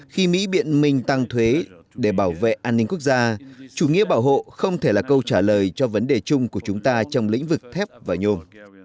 khi mỹ biện minh tăng thuế để bảo vệ an ninh quốc gia chủ nghĩa bảo hộ không thể là câu trả lời cho vấn đề chung của chúng ta trong lĩnh vực thép và nhôm